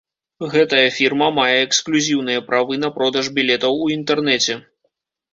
Гэтая фірма мае эксклюзіўныя правы на продаж білетаў у інтэрнэце.